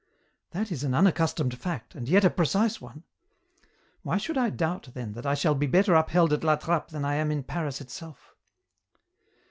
That is an unaccustomed fact, and yet a precise one. Why should I doubt, then, that I shall be better upheld at La Trappe than I am in Paris itself